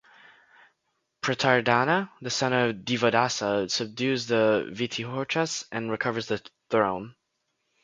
Pratardana, the son of Divodasa subdues the Vitihotras and recovers the throne.